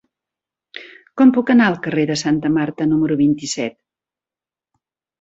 Com puc anar al carrer de Santa Marta número vint-i-set?